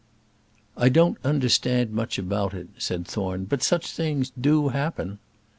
"I don't understand much about it," said Thorne; "but such things do happen."